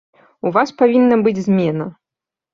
У вас павінна быць змена!